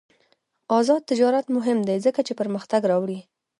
آزاد تجارت مهم دی ځکه چې پرمختګ راوړي.